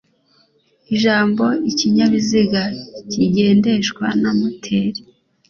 Ijambo "ikinyabiziga kigendeshwa na moteri"